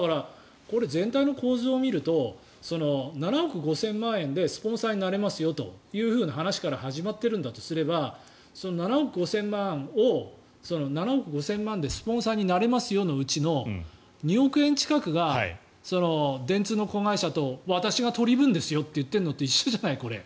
全体の構図を見ると７億５０００万円でスポンサーになれますよという話から始まっているんだとすると７億５０００万円でスポンサーになれますよといううちの２億円近くが電通の子会社と私が取り分ですよと言っているのと一緒じゃない、これ。